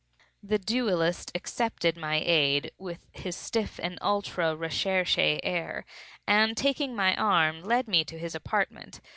The duellist accepted my aid with his stiff and ultra recherché air, and, taking my arm, led me to his apartment.